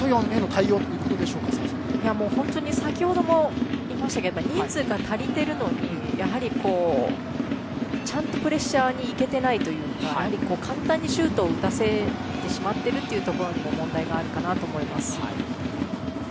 単純に先ほども言いましたけど人数が足りているのにちゃんとプレッシャーにいけてないというか簡単にシュートを打たせているところに問題があるかなと思います。